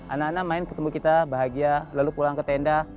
anak anak main ketemu kita bahagia lalu pulang ke tenda